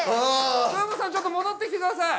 豊本さんちょっと戻って来てください。